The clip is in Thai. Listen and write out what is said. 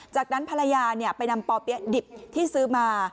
จากนั้นภรรยาไปนำป่อเปี๊ยะดิบที่ซื้อมา